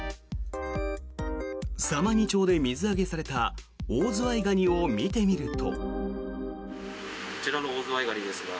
様似町で水揚げされたオオズワイガニを見てみると。